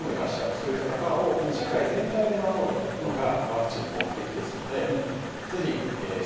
そういった方を社会全体で守るのがワクチンの目的ですのでぜひ。